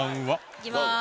いきます。